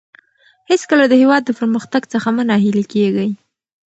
هېڅکله د هېواد د پرمختګ څخه مه ناهیلي کېږئ.